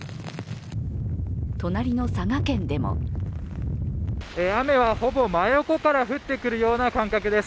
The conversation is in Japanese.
隣の佐賀県でも雨はほぼ真横から降ってくるような感覚です。